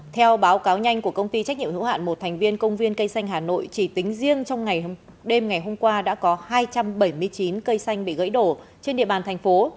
theo báo cáo nhanh của công ty trách nhiệm hữu hạn một thành viên công viên cây xanh hà nội chỉ tính riêng trong đêm ngày hôm qua đã có hai trăm bảy mươi chín cây xanh bị gãy đổ trên địa bàn thành phố